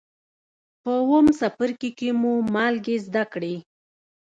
په اووم څپرکي کې مو مالګې زده کړې.